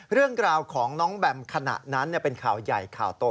เรื่องราวของน้องแบมขณะนั้นเป็นข่าวใหญ่ข่าวโต